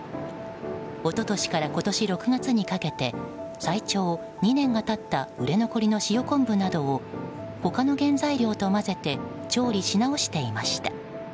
一昨年から今年６月にかけて最長２年が経った売れ残りの塩昆布などを他の原材料と混ぜて調理し直していました。